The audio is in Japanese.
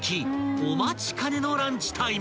お待ちかねのランチタイム］